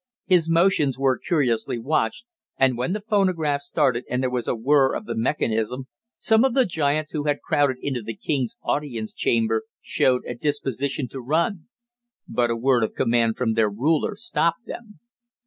His motions were curiously watched, and when the phonograph started and there was a whirr of the mechanism, some of the giants who had crowded into the king's audience chamber, showed a disposition to run. But a word of command from their ruler stopped them.